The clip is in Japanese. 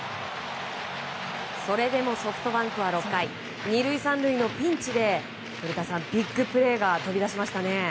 それでもソフトバンクは６回２、３塁のピンチで古田さんビッグプレーが飛び出しましたね。